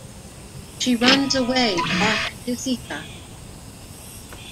She runs away back to Thika.